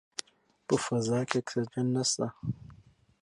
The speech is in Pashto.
په فضا کې اکسیجن نشته.